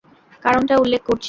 কারণটা উল্লেখ করছি!